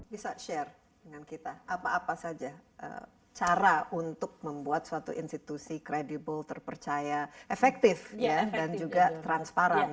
bisa share dengan kita apa apa saja cara untuk membuat suatu institusi kredibel terpercaya efektif dan juga transparan